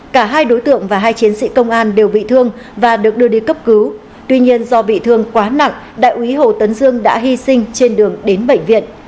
cả hai đối tượng và hai chiến sĩ công an đều bị thương và được đưa đi cấp cứu tuy nhiên do bị thương quá nặng đại úy hồ tấn dương đã hy sinh trên đường đến bệnh viện